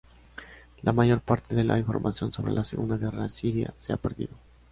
La mayor parte de la información sobre la Segunda Guerra Siria se ha perdido.